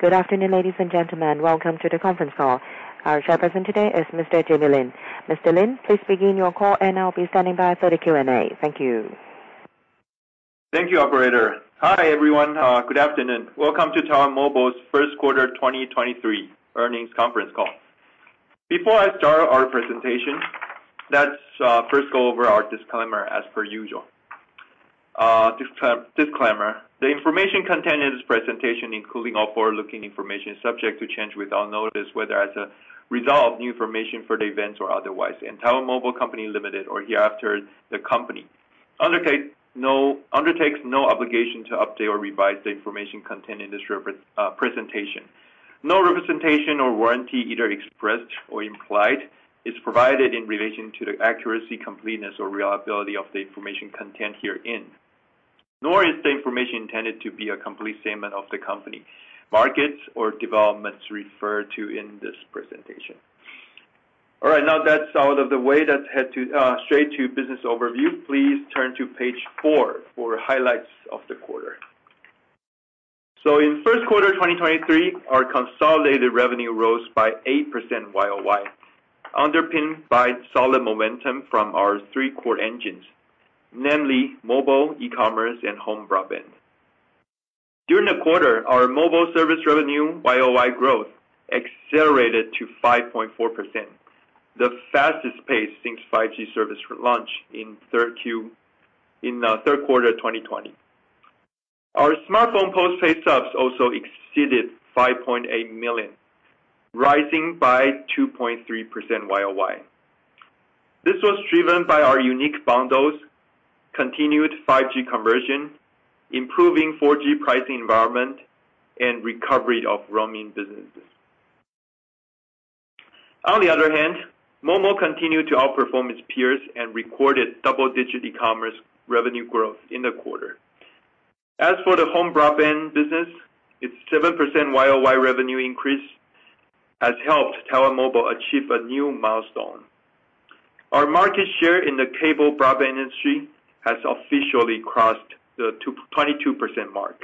Good afternoon, ladies and gentlemen. Welcome to the conference call. Our chairperson today is Mr. Jamie Lin. Mr. Lin, please begin your call, and I'll be standing by for the Q&A. Thank you. Thank you, operator. Hi, everyone. Good afternoon. Welcome to Taiwan Mobile's first quarter 2023 earnings conference call. Before I start our presentation, let's first go over our disclaimer as per usual. Disclaimer. The information contained in this presentation, including all forward-looking information, is subject to change without notice, whether as a result of new information, further events or otherwise, and Taiwan Mobile Co., Ltd. or hereafter the Company undertakes no obligation to update or revise the information contained in this presentation. No representation or warranty, either expressed or implied, is provided in relation to the accuracy, completeness or reliability of the information contained herein. Nor is the information intended to be a complete statement of the company, markets or developments referred to in this presentation. All right, now that's out of the way, let's head straight to business overview. Please turn to page four for highlights of the quarter. In first quarter 2023, our consolidated revenue rose by 8% YOY, underpinned by solid momentum from our three core engines, namely mobile, e-commerce and home broadband. During the quarter, our mobile service revenue YOY growth accelerated to 5.4%, the fastest pace since 5G service launch in third quarter 2020. Our smartphone postpaid subs also exceeded 5.8 million, rising by 2.3% YOY. This was driven by our unique bundles, continued 5G conversion, improving 4G pricing environment and recovery of roaming businesses. Momo continued to outperform its peers and recorded double-digit e-commerce revenue growth in the quarter. Its 7% YOY revenue increase has helped Taiwan Mobile achieve a new milestone. Our market share in the cable broadband industry has officially crossed the 22% mark.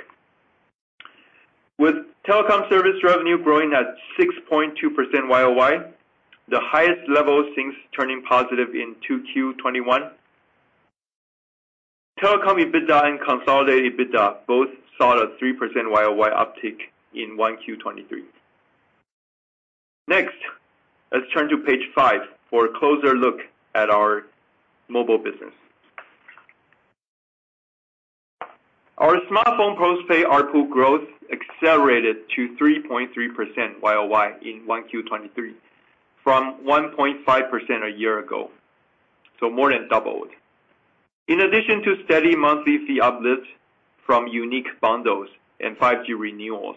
With telecom service revenue growing at 6.2% YOY, the highest level since turning positive in 2Q 2021. Telecom EBITDA and consolidated EBITDA both saw a 3% YOY uptick in 1Q 2023. Let's turn to page five for a closer look at our mobile business. Our smartphone postpaid ARPU growth accelerated to 3.3% YOY in 1Q 2023 from 1.5% a year ago, so more than doubled. In addition to steady monthly fee uplifts from unique bundles and 5G renewals,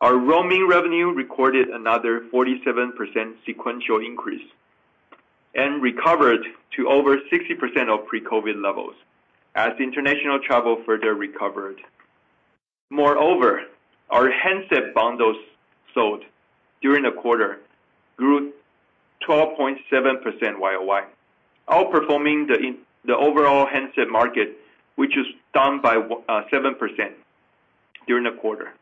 our roaming revenue recorded another 47% sequential increase and recovered to over 60% of pre-COVID levels as international travel further recovered. Moreover, our handset bundles sold during the quarter grew 12.7% YOY, outperforming the overall handset market, which is down by 7% during the quarter.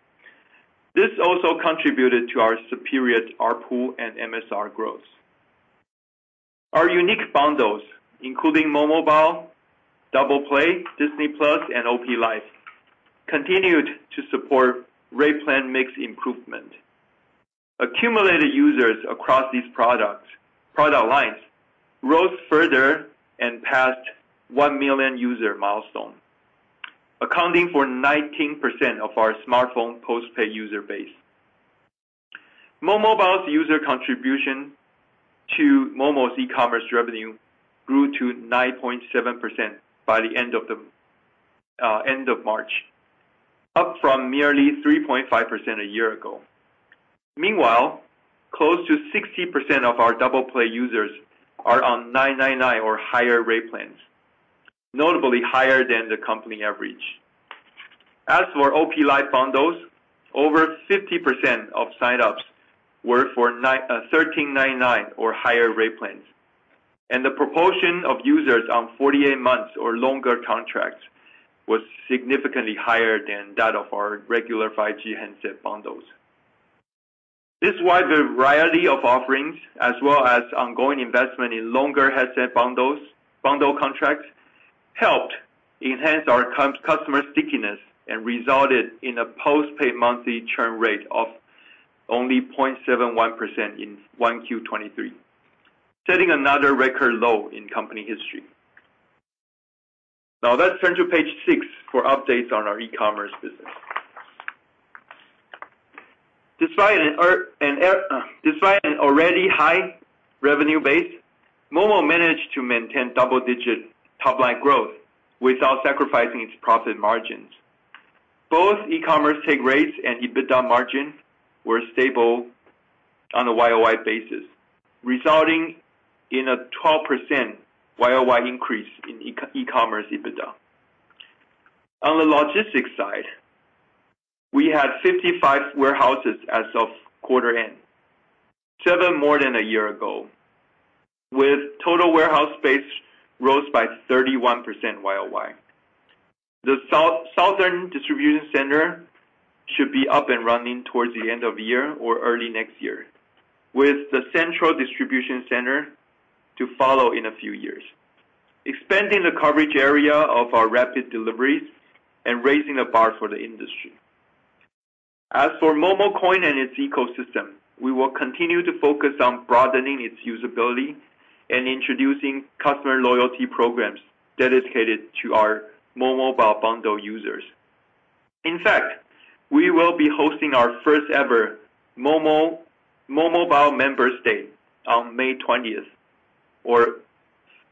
This also contributed to our superior ARPU and MSR growth. Our unique bundles, including momobile, Double Play, Disney+ and OP Life, continued to support rate plan mix improvement. Accumulated users across these products, product lines rose further and passed 1 million user milestone, accounting for 19% of our smartphone postpaid user base. momobile's user contribution to momo's e-commerce revenue grew to 9.7% by the end of the end of March, up from merely 3.5% a year ago. Meanwhile, close to 60% of our Double Play users are on 999 or higher rate plans, notably higher than the company average. As for OP Life bundles, over 50% of sign-ups were for 1,399 or higher rate plans, and the proportion of users on 48 months or longer contracts was significantly higher than that of our regular 5G handset bundles. This wide variety of offerings as well as ongoing investment in longer handset bundles, bundle contracts, helped enhance our customer stickiness and resulted in a postpaid monthly churn rate of only 0.71% in 1Q 2023, setting another record low in company history. Let's turn to page six for updates on our e-commerce business. Despite an already high revenue base, momo managed to maintain double-digit top-line growth without sacrificing its profit margins. Both e-commerce take rates and EBITDA margins were stable on a YOY basis, resulting in a 12% YOY increase in e-commerce EBITDA. On the logistics side, we had 55 warehouses as of quarter end. Seven more than a year ago, with total warehouse space rose by 31% YOY. The South-southern distribution center should be up and running towards the end of the year or early next year, with the central distribution center to follow in a few years. Expanding the coverage area of our rapid deliveries and raising the bar for the industry. As for momo coin and its ecosystem, we will continue to focus on broadening its usability and introducing customer loyalty programs dedicated to our Mobile Bundle users. In fact, we will be hosting our first ever momobile Members Day on May 20th, or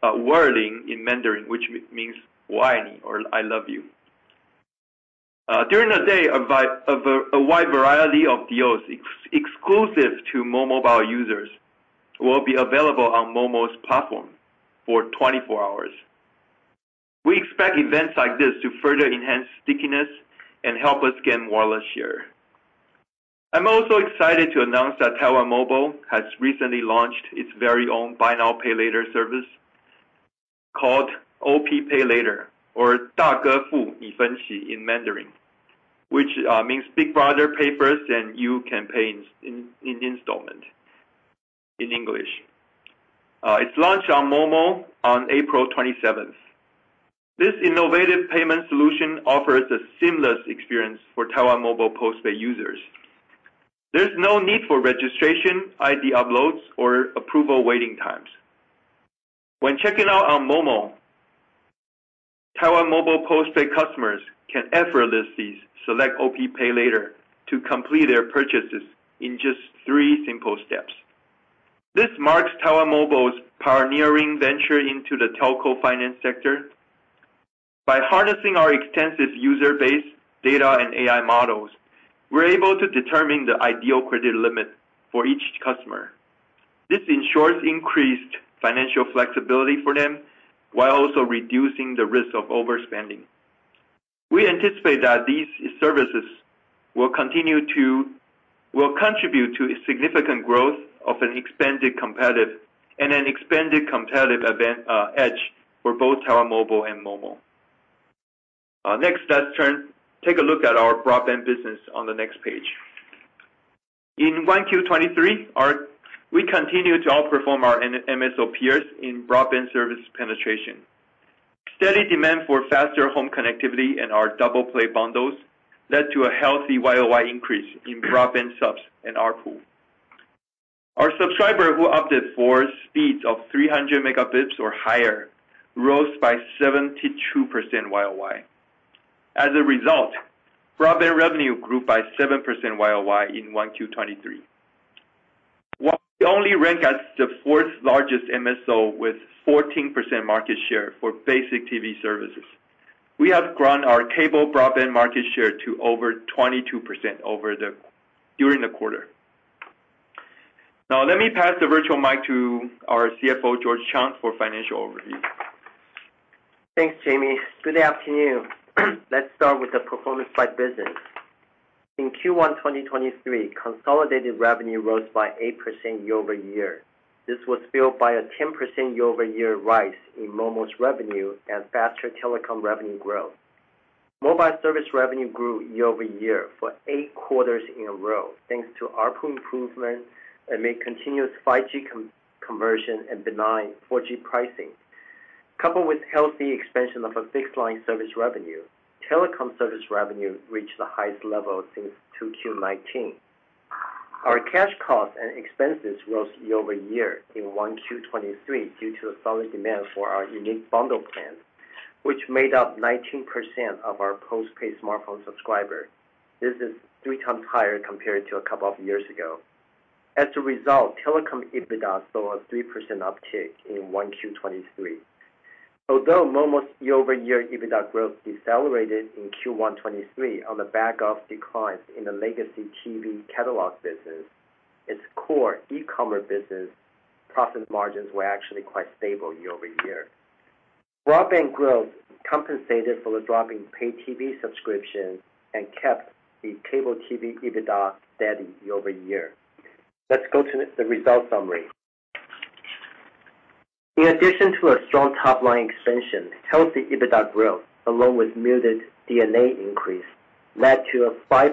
我愛你 (Wǒ ài nǐ) in Mandarin, which means or I love you. During the day, a wide variety of deals exclusive to momobile users will be available on momo's platform for 24 hours. We expect events like this to further enhance stickiness and help us gain more last year. I'm also excited to announce that Taiwan Mobile has recently launched its very own buy now, pay later service called OP Pay later, or in Mandarin, which means Big Brother pays first, then you can pay in installment in English. It's launched on momo on April 27th. This innovative payment solution offers a seamless experience for Taiwan Mobile postpaid users. There's no need for registration, ID uploads, or approval waiting times. When checking out on momo, Taiwan Mobile postpaid customers can effortlessly select OP Pay later to complete their purchases in just three simple steps. This marks Taiwan Mobile's pioneering venture into the telco finance sector. By harnessing our extensive user base data and AI models, we're able to determine the ideal credit limit for each customer. This ensures increased financial flexibility for them, while also reducing the risk of overspending. We anticipate that these services will contribute to a significant growth of an expanded competitive edge for both Taiwan Mobile and momo. Let's take a look at our broadband business on the next page. In Q1 2023, we continued to outperform our MSO peers in broadband service penetration. Steady demand for faster home connectivity and our Doubleplay bundles led to a healthy YOY increase in broadband subs in our pool. Our subscriber who opted for speeds of 300 megabits or higher rose by 72% YOY. As a result, broadband revenue grew by 7% YOY in 1Q23. While we only rank as the 4th largest MSO with 14% market share for basic TV services, we have grown our cable broadband market share to over 22% during the quarter. Now let me pass the virtual mic to our CFO, George Chang, for financial overview. Thanks, Jamie. Good afternoon. Let's start with the performance by business. In Q1 2023, consolidated revenue rose by 8% year-over-year. This was fueled by a 10% year-over-year rise in momo's revenue and faster telecom revenue growth. Mobile service revenue grew year-over-year for eight quarters in a row, thanks to ARPU improvement amid continuous 5G conversion and benign 4G pricing. Coupled with healthy expansion of a fixed line service revenue, telecom service revenue reached the highest level since 2Q19. Our cash costs and expenses rose year-over-year in 1Q23 due to a solid demand for our unique bundle plan, which made up 19% of our postpaid smartphone subscriber. This is 3x higher compared to a couple of years ago. As a result, telecom EBITDA saw a 3% uptick in 1Q23. Although momo's year-over-year EBITDA growth decelerated in Q1 2023 on the back of declines in the legacy TV catalog business, its core e-commerce business profit margins were actually quite stable year-over-year. Broadband growth compensated for the dropping pay-TV subscription and kept the cable TV EBITDA steady year-over-year. Let's go to the results summary. In addition to a strong top line expansion, healthy EBITDA growth, along with muted D&A increase, led to a 5%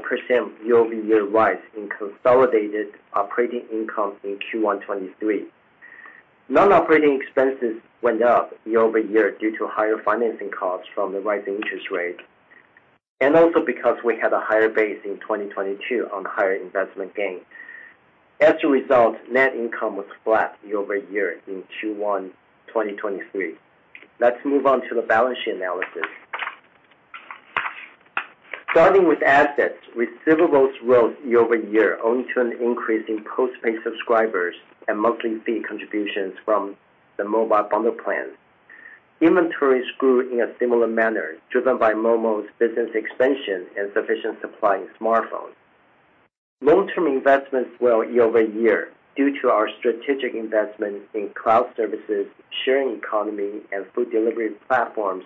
year-over-year rise in consolidated operating income in Q1 2023. Non-operating expenses went up year-over-year due to higher financing costs from the rising interest rate. Also because we had a higher base in 2022 on higher investment gain. As a result, net income was flat year-over-year in Q1 2023. Let's move on to the balance sheet analysis. Starting with assets, receivables rose year-over-year, owing to an increase in postpaid subscribers and monthly fee contributions from the mobile bundle plans. Inventories grew in a similar manner, driven by momo's business expansion and sufficient supply in smartphones. Long-term investments were year-over-year due to our strategic investment in cloud services, sharing economy, and food delivery platforms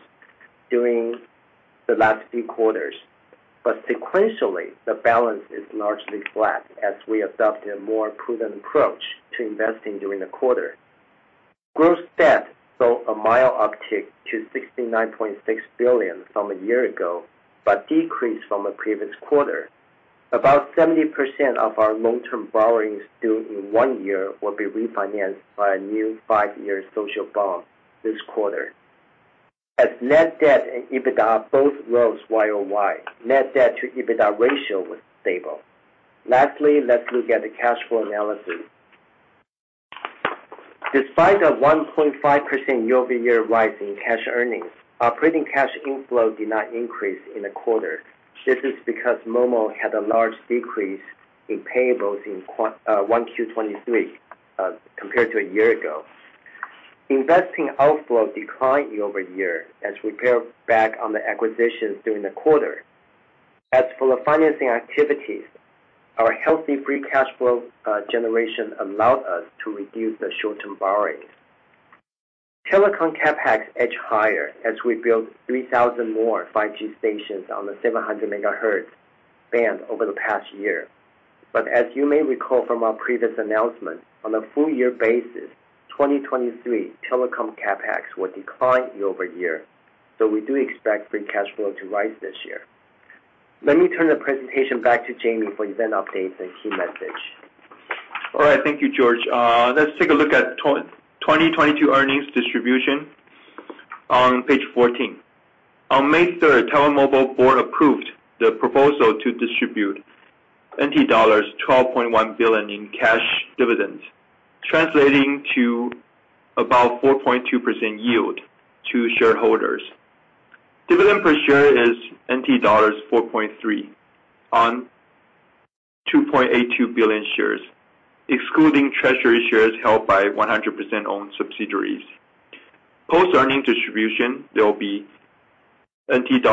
during the last few quarters. Sequentially, the balance is largely flat as we adopt a more prudent approach to investing during the quarter. Gross debt saw a mild uptick to 69.6 billion from a year ago, but decreased from the previous quarter. About 70% of our long-term borrowings due in one year will be refinanced by a new five-year social bond this quarter. As net debt and EBITDA both rose YOY, net debt to EBITDA ratio was stable. Lastly, let's look at the cash flow analysis. Despite a 1.5% year-over-year rise in cash earnings, our operating cash inflow did not increase in the quarter. This is because momo had a large decrease in payables in 1Q 2023 compared to a year ago. Investing outflow declined year-over-year as we paired back on the acquisitions during the quarter. For the financing activities, our healthy free cash flow generation allowed us to reduce the short-term borrowings. Telecom CapEx edged higher as we built 3,000 more 5G stations on the 700 MHz band over the past year. As you may recall from our previous announcement, on a full year basis, 2023 telecom CapEx will decline year-over-year, we do expect free cash flow to rise this year. Let me turn the presentation back to Jamie for event updates and key message. All right. Thank you, George. Let's take a look at 2022 earnings distribution on page 14. On May third, Taiwan Mobile board approved the proposal to distribute NTD 12.1 billion in cash dividends, translating to about 4.2% yield to shareholders. Dividend per share is NTD 4.3 on 2.82 billion shares, excluding treasury shares held by 100% owned subsidiaries. Post-earnings distribution, there will be NTD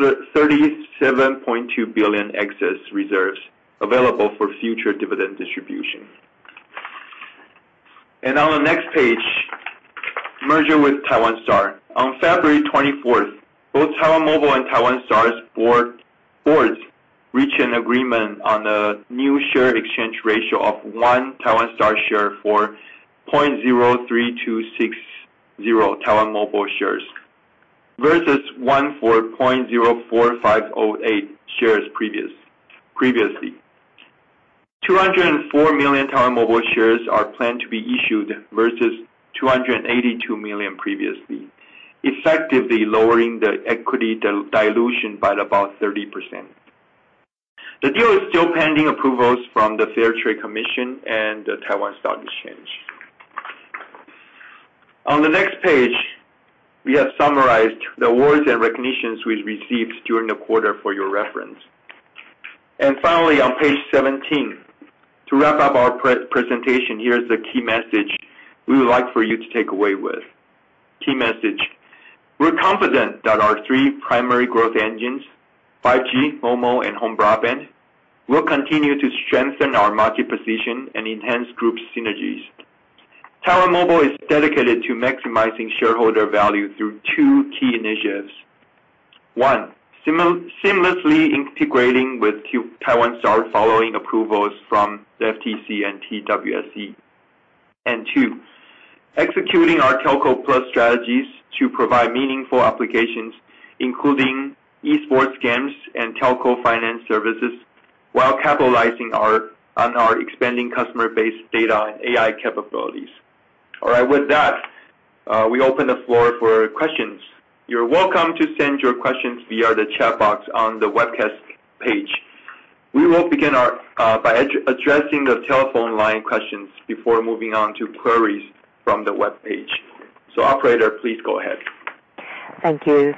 37.2 billion excess reserves available for future dividend distribution. On the next page, merger with Taiwan Star. On February twenty-fourth, both Taiwan Mobile and Taiwan Star's boards reached an agreement on the new share exchange ratio of one Taiwan Star share for 0.03260 Taiwan Mobile shares versus one for 0.04508 shares previously. 204 million Taiwan Mobile shares are planned to be issued versus 282 million previously, effectively lowering the equity de-dilution by about 30%. The deal is still pending approvals from the Fair Trade Commission and the Taiwan Stock Exchange. On the next page, we have summarized the awards and recognitions we received during the quarter for your reference. Finally, on page 17, to wrap up our presentation, here's the key message we would like for you to take away with. Key message: We're confident that our three primary growth engines, 5G, momo, and Home Broadband, will continue to strengthen our market position and enhance group synergies. Taiwan Mobile is dedicated to maximizing shareholder value through two key initiatives. one, seamlessly integrating with Taiwan Star following approvals from the FTC and TWSE. Two, executing our Telco+ strategies to provide meaningful applications, including e-sports games and telco finance services, while capitalizing on our expanding customer base data and AI capabilities. All right. With that, we open the floor for questions. You're welcome to send your questions via the chat box on the webcast page. We will begin by addressing the telephone line questions before moving on to queries from the webpage. Operator, please go ahead. Thank you.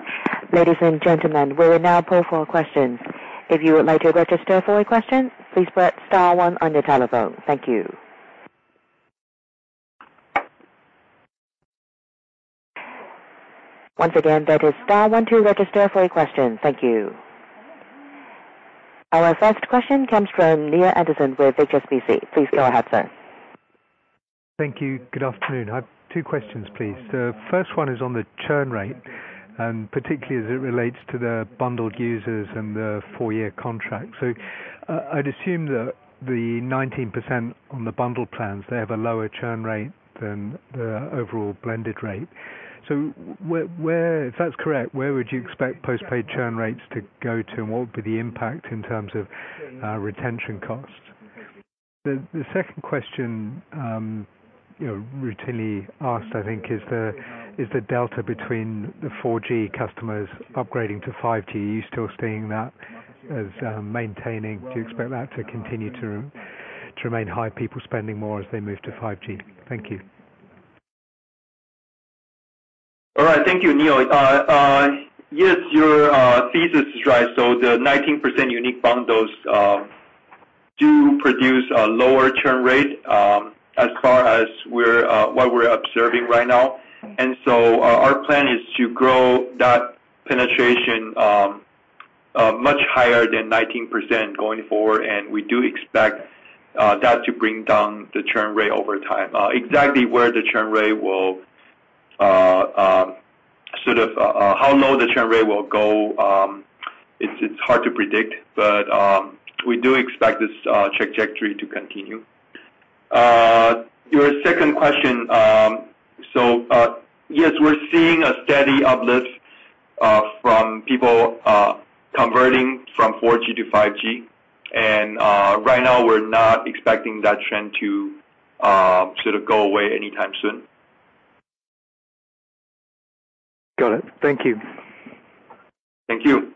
Ladies and gentlemen, we will now poll for questions. If you would like to register for a question, please press star one on your telephone. Thank you. Once again, that is star one to register for a question. Thank you. Our first question comes from Neale Anderson with HSBC. Please go ahead, sir. Thank you. Good afternoon. I have two questions, please. The first one is on the churn rate, and particularly as it relates to the bundled users and the four-year contract. I'd assume that the 19% on the bundle plans, they have a lower churn rate than the overall blended rate. Where If that's correct, where would you expect post-paid churn rates to go to, and what would be the impact in terms of retention costs? The second question, you know, routinely asked, I think, is the delta between the 4G customers upgrading to 5G. Are you still seeing that as maintaining? Do you expect that to continue to remain high, people spending more as they move to 5G? Thank you. All right. Thank you, Neale. Yes, your thesis is right. The 19% unique bundles do produce a lower churn rate as far as we're what we're observing right now. Our plan is to grow that penetration much higher than 19% going forward, and we do expect that to bring down the churn rate over time. Exactly where the churn rate will sort of how low the churn rate will go, it's hard to predict, but we do expect this trajectory to continue. Your second question. Yes, we're seeing a steady uplift from people converting from 4G to 5G. Right now we're not expecting that trend to sort of go away anytime soon. Got it. Thank you. Thank you.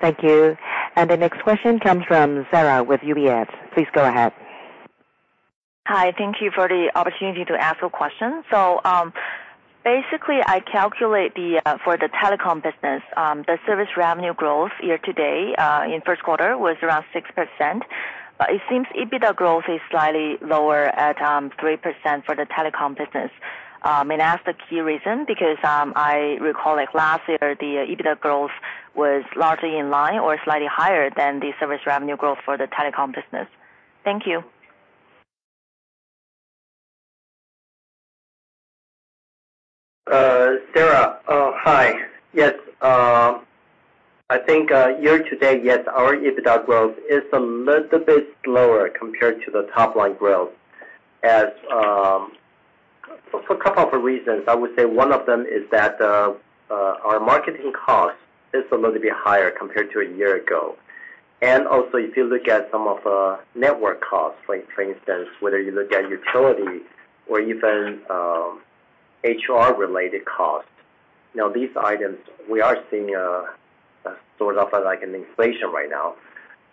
Thank you. The next question comes from Sarah with UBS. Please go ahead. Hi. Thank you for the opportunity to ask a question. Basically I calculate the for the telecom business, the service revenue growth year-to-date in first quarter was around 6%. It seems EBITDA growth is slightly lower at 3% for the telecom business. May I ask the key reason because I recall, like, last year, the EBITDA growth was largely in line or slightly higher than the service revenue growth for the telecom business. Thank you. Sarah, hi. Yes, I think, year-to-date, yes, our EBITDA growth is a little bit lower compared to the top line growth for a couple of reasons. One of them is that our marketing cost is a little bit higher compared to a year ago. Also if you look at some of network costs, like for instance, whether you look at utility or even HR-related costs. These items, we are seeing sort of like an inflation right now.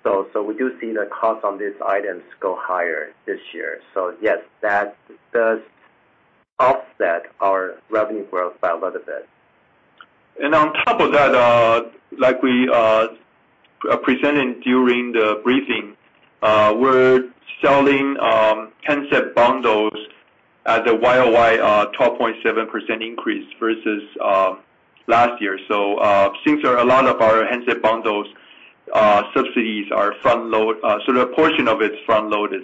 So we do see the cost on these items go higher this year. Yes, that does offset our revenue growth by a little bit. On top of that, like we presented during the briefing, we're selling handset bundles at a YOY 12.7% increase versus last year. Since there are a lot of our handset bundles, subsidies are front-loaded, sort of a portion of it's front-loaded.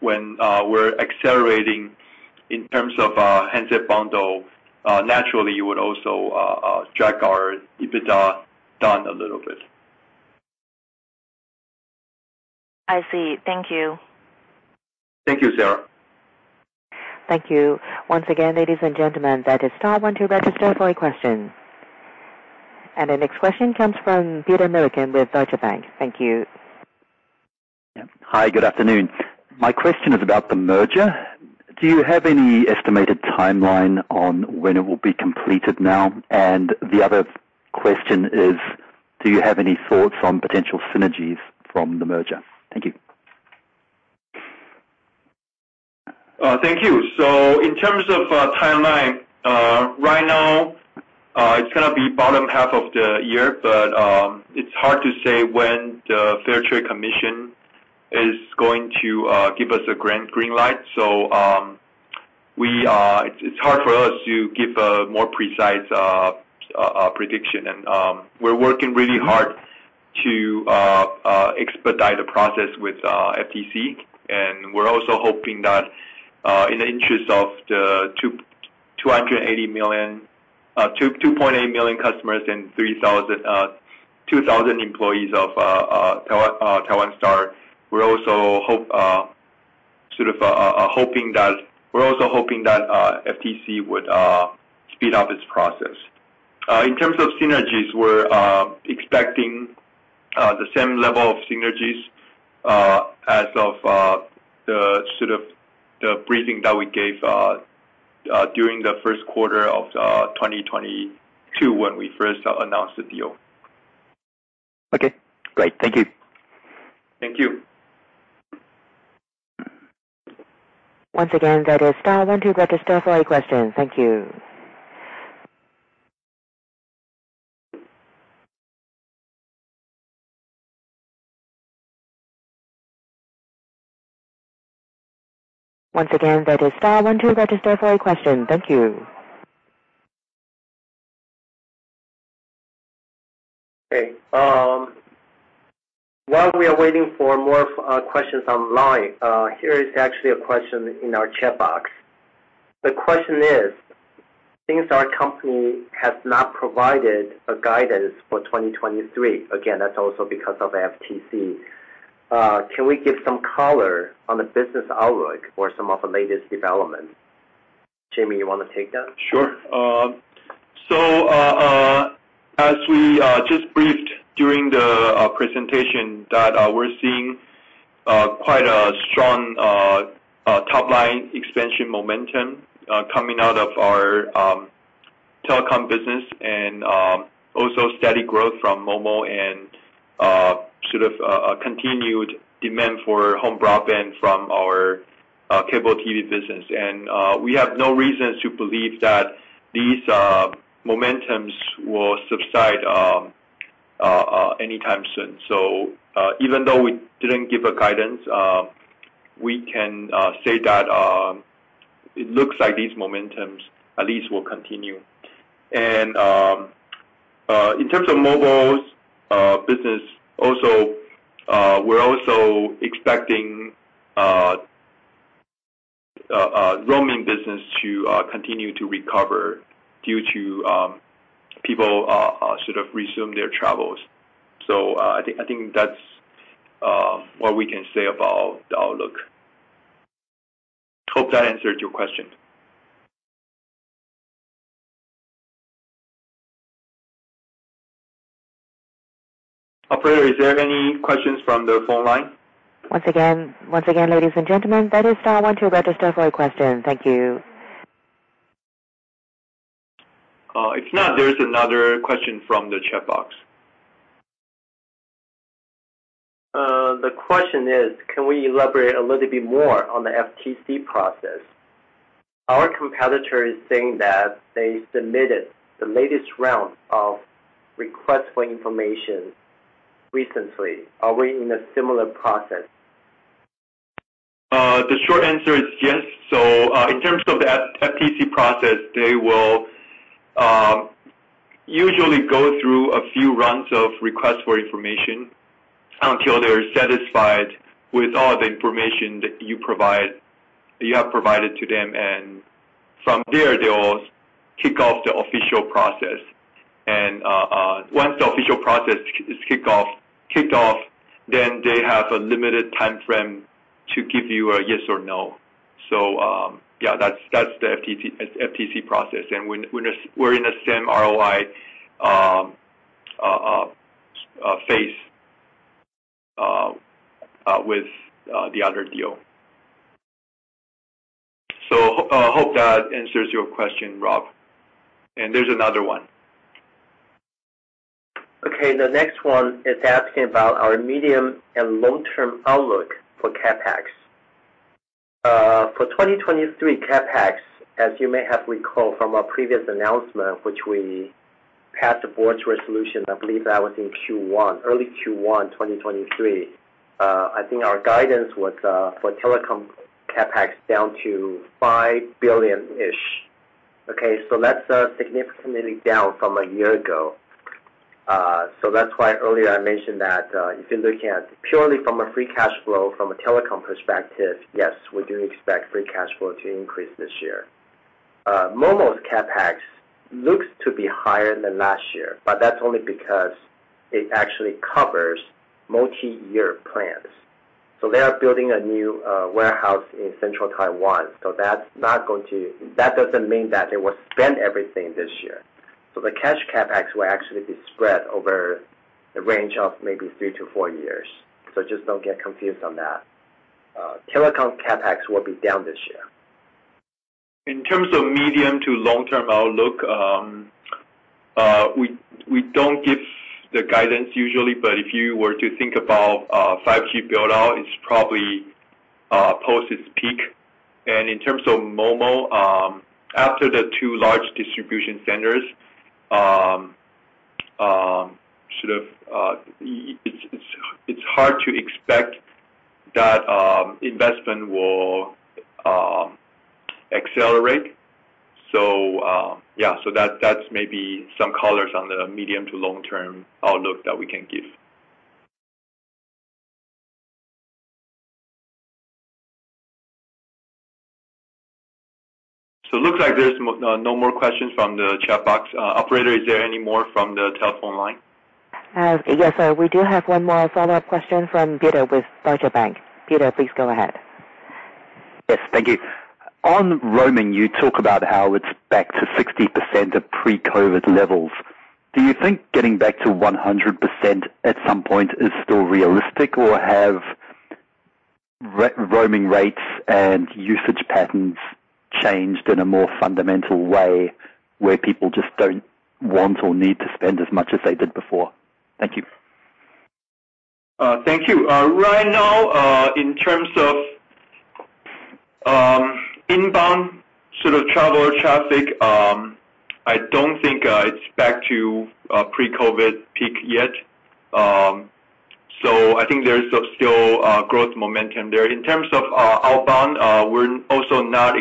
When we're accelerating in terms of handset bundle, naturally you would also drag our EBITDA down a little bit. I see. Thank you. Thank you, Sarah. Thank you. Once again, ladies and gentlemen, that is star one to register for a question. The next question comes from Peter Milliken with Deutsche Bank. Thank you. Yeah, hi, good afternoon. My question is about the merger. Do you have any estimated timeline on when it will be completed now? The other question is, do you have any thoughts on potential synergies from the merger? Thank you. Thank you. In terms of timeline, right now, it's gonna be bottom half of the year, but it's hard to say when the Fair Trade Commission is going to give us a grand green light. We it's hard for us to give a more precise prediction. We're working really hard to expedite the process with FTC. We're also hoping that in the interest of the 2.8 million customers and 2,000 employees of Taiwan Star, we're also hoping that FTC would speed up its process. In terms of synergies, we're expecting the same level of synergies as of the sort of the briefing that we gave during the first quarter of 2022 when we first announced the deal. Okay, great. Thank you. Thank you. Once again, that is star one to register for a question. Thank you. Okay. While we are waiting for more questions online, here is actually a question in our chat box. The question is, since our company has not provided a guidance for 2023, again, that's also because of FTC, can we give some color on the business outlook or some of the latest developments? Jimmy, you wanna take that? Sure. As we just briefed during the presentation that we're seeing quite a strong top line expansion momentum coming out of our telecom business and also steady growth from mobile and sort of a continued demand for home broadband from our cable TV business. We have no reasons to believe that these momentums will subside anytime soon. Even though we didn't give a guidance, we can say that it looks like these momentums at least will continue. In terms of mobile's business also, we're also expecting roaming business to continue to recover due to people sort of resume their travels. I think that's what we can say about the outlook. Hope that answered your question. Operator, is there any questions from the phone line? Once again, ladies and gentlemen, that is star one to register for a question. Thank you. If not, there is another question from the chat box. The question is, can we elaborate a little bit more on the FTC process? Our competitor is saying that they submitted the latest round of request for information recently. Are we in a similar process? The short answer is yes. In terms of the FTC process, they will usually go through a few rounds of requests for information until they're satisfied with all the information that you provide, you have provided to them. From there, they'll kick off the official process. Once the official process is kicked off, then they have a limited timeframe to give you a yes or no. Yeah. That's the FTC process. We're in the same ROI phase with the other deal. Hope that answers your question, Rob. There's another one. Okay, the next one is asking about our medium and long-term outlook for CapEx. For 2023 CapEx, as you may have recalled from our previous announcement, which we passed the board's resolution, I believe that was in Q1, early Q1 2023, I think our guidance was for telecom CapEx down to 5 billion-ish. That's significantly down from a year ago. That's why earlier I mentioned that if you're looking at purely from a free cash flow from a telecom perspective, yes, we do expect free cash flow to increase this year. Momo's CapEx looks to be higher than last year, but that's only because it actually covers multi-year plans. They are building a new warehouse in central Taiwan, that doesn't mean that they will spend everything this year. The cash CapEx will actually be spread over a range of maybe three to four years. Just don't get confused on that. Telecom CapEx will be down this year. In terms of medium to long-term outlook, we don't give the guidance usually, but if you were to think about 5G build-out, it's probably post its peak. In terms of momo, after the two large distribution centers, sort of, it's hard to expect that investment will accelerate. Yeah. That's maybe some colors on the medium to long-term outlook that we can give. It looks like there's no more questions from the chat box. Operator, is there any more from the telephone line? Yes, sir. We do have one more follow-up question from Peter with Deutsche Bank. Peter, please go ahead. Yes. Thank you. On roaming, you talk about how it's back to 60% of pre-COVID levels. Do you think getting back to 100% at some point is still realistic, or have roaming rates and usage patterns changed in a more fundamental way where people just don't want or need to spend as much as they did before? Thank you. Thank you. Right now, in terms of inbound sort of traveler traffic, I don't think it's back to pre-COVID peak yet. I think there's still growth momentum there. In terms of outbound, we're also not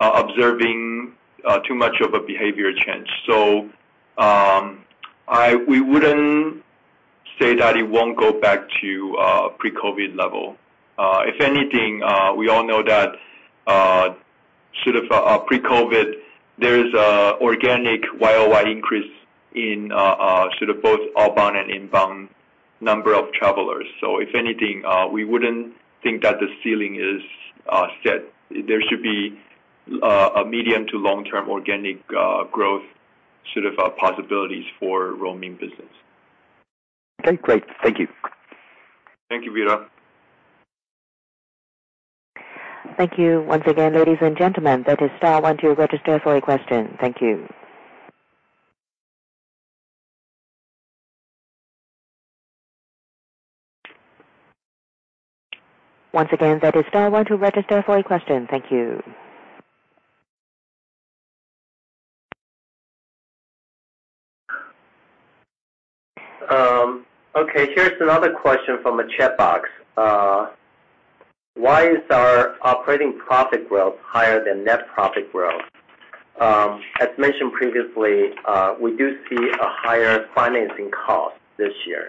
observing too much of a behavior change. We wouldn't say that it won't go back to pre-COVID level. If anything, we all know that sort of pre-COVID there is organic Y-O-Y increase in sort of both outbound and inbound number of travelers. If anything, we wouldn't think that the ceiling is set. There should be a medium to long-term organic growth sort of possibilities for roaming business. Okay, great. Thank you. Thank you, Peter. Thank you once again, ladies and gentlemen. That is star one to register for a question. Thank you. Once again, that is star one to register for a question. Thank you. Okay, here's another question from the chat box. Why is our operating profit growth higher than net profit growth? As mentioned previously, we do see a higher financing cost this year.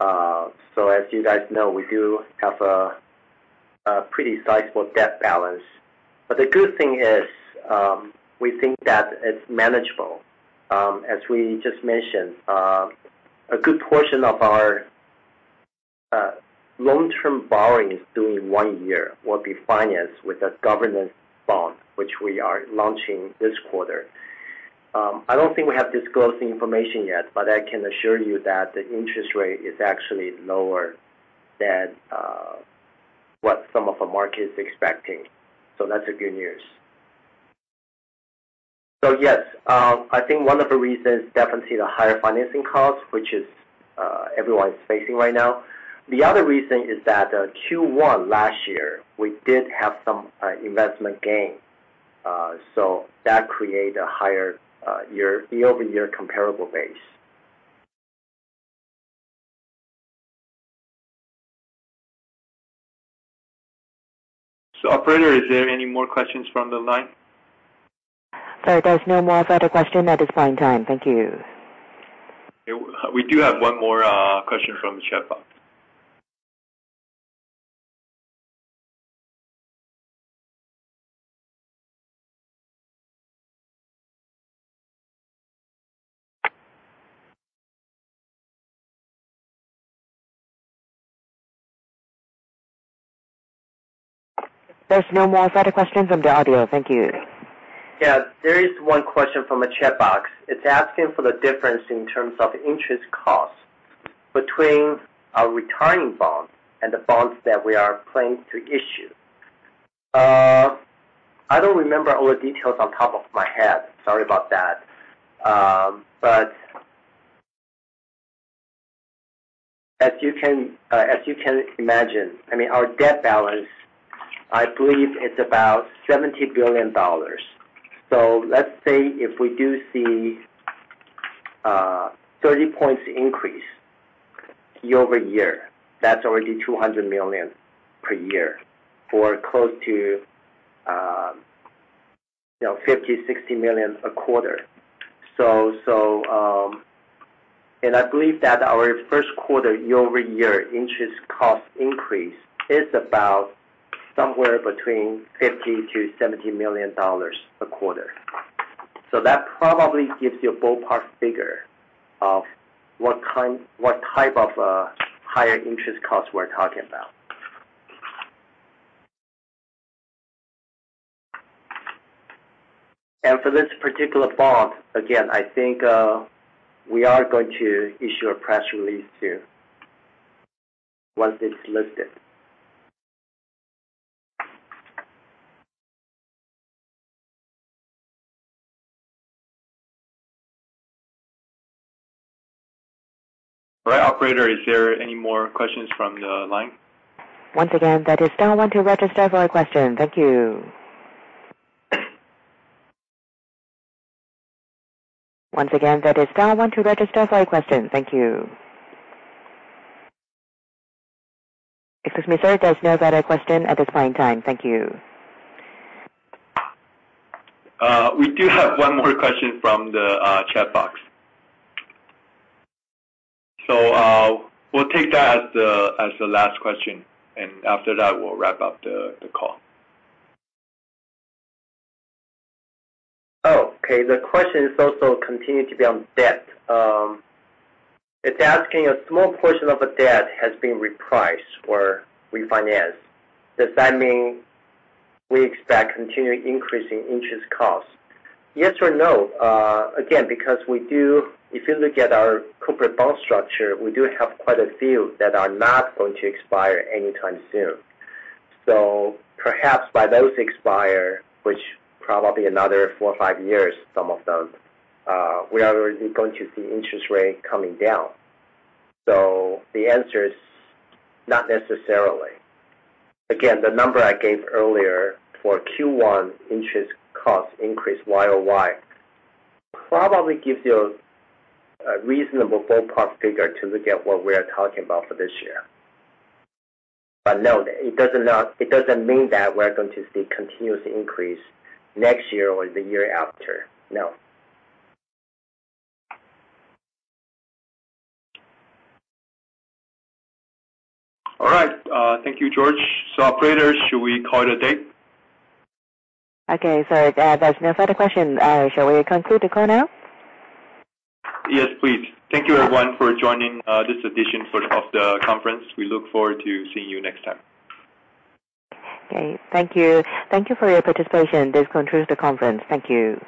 As you guys know, we do have a pretty sizable debt balance. The good thing is, we think that it's manageable. As we just mentioned, a good portion of our long-term borrowing is due in one year, will be financed with a government bond, which we are launching this quarter. I don't think we have disclosed the information yet, but I can assure you that the interest rate is actually lower than what some of the market is expecting. That's the good news. Yes, I think one of the reasons definitely the higher financing costs, which is everyone is facing right now. The other reason is that Q1 last year, we did have some investment gain, so that create a higher year-over-year comparable base. Operator, is there any more questions from the line? Sorry, there's no more further question at this point in time. Thank you. Yeah, we do have one more question from the chat box. There's no more further questions on the audio. Thank you. There is 1 question from the chat box. It's asking for the difference in terms of interest costs between our retiring bonds and the bonds that we are planning to issue. I don't remember all the details on top of my head. Sorry about that. As you can imagine, I mean, our debt balance, I believe it's about 70 billion dollars. Let's say if we do see 30 points increase year-over-year, that's already 200 million per year or close to, you know, 50 million-60 million a quarter. I believe that our first quarter year-over-year interest cost increase is about somewhere between 50 million-70 million dollars a quarter. That probably gives you a ballpark figure of what type of a higher interest cost we're talking about. For this particular bond, again, I think, we are going to issue a press release here once it's listed. All right. Operator, is there any more questions from the line? Once again, there is no one to register for a question. Thank you. Once again, there is no one to register for a question. Thank you. Excuse me, sir. There's no further question at this point in time. Thank you. We do have one more question from the chat box. We'll take that as the last question, and after that, we'll wrap up the call. Okay. The question is also continued to be on debt. It's asking a small portion of the debt has been repriced or refinanced. Does that mean we expect continuing increasing interest costs? Yes or no. Again, because If you look at our corporate bond structure, we do have quite a few that are not going to expire anytime soon. Perhaps by those expire, which probably another four or five years, some of them, we are going to see interest rate coming down. The answer is not necessarily. Again, the number I gave earlier for Q1 interest cost increase YOY probably gives you a reasonable ballpark figure to look at what we are talking about for this year. No, it does not mean that we're going to see continuous increase next year or the year after. No. All right. Thank you, George. Operator, should we call it a day? Okay, sir. There's no further question. Shall we conclude the call now? Yes, please. Thank you everyone for joining, this edition of the conference. We look forward to seeing you next time. Okay. Thank you. Thank you for your participation. This concludes the conference. Thank you.